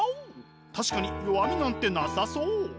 確かに弱みなんてなさそう！